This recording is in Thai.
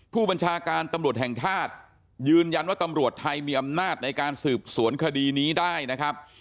ผู้บัญชาการตำรวจแห่งชาติยืนยันว่าตำรวจไทยมีอำนาจในการสืบสวนคดีนี้ได้นะครับ